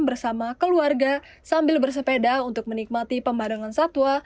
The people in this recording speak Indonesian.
bersama keluarga sambil bersepeda untuk menikmati pembarangan satwa